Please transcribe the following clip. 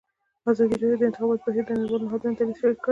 ازادي راډیو د د انتخاباتو بهیر د نړیوالو نهادونو دریځ شریک کړی.